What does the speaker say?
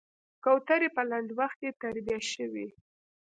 کوترې په لنډ وخت کې تربيه شوې.